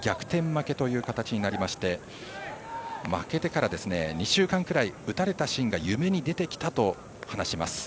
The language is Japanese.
負けとなりまして負けてから２週間くらい打たれたシーンが夢に出てきたと話します。